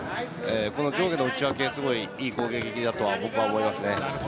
上下の打ち分け、すごいいい攻撃だと僕は思いますね。